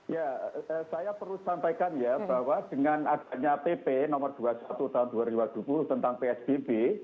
ya saya perlu sampaikan ya bahwa dengan adanya pp nomor dua puluh satu tahun dua ribu dua puluh tentang psbb